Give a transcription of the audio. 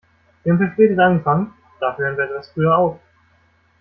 Wir haben verspätet angefangen, dafür hören wir etwas früher auf.